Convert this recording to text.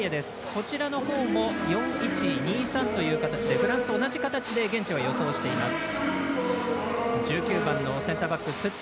こちらのほうも４−１−２−３という形でフランスと同じ形で現地は予想しています。